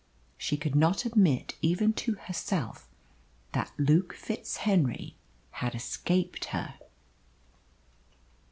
She could not admit even to herself that Luke FitzHenry had escaped her.